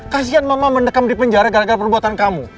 kasian mama mendekam di penjara gara gara perbuatan kamu